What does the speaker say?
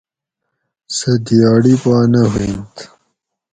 سۤہ دِیاڑی پا نہ ہوئینت